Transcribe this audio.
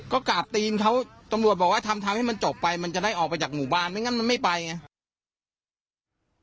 ก็กราบตีนเขาตำรวจบอกว่าทำทางให้มันจบไปมันจะได้ออกไปจากหมู่บ้านไม่งั้นมันไม่ไปไง